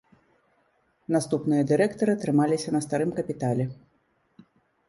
Наступныя дырэктары трымаліся на старым капітале.